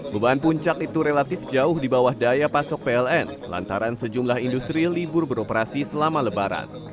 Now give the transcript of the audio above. beban puncak itu relatif jauh di bawah daya pasok pln lantaran sejumlah industri libur beroperasi selama lebaran